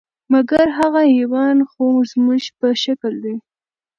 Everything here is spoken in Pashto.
مګر هغه حیوان خو زموږ په شکل دی،